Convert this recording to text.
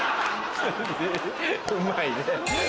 うまいね。